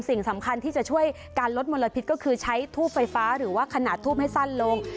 สิ่งสำคัญที่จะช่วยการลดมลพิษก็คือใช้ทูบไฟฟ้าหรือว่าขนาดทูบให้สั้นลง